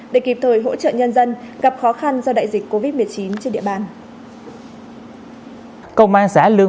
để kịp thời hỗ trợ nhân dân gặp khó khăn do đại dịch covid một mươi chín trên địa bàn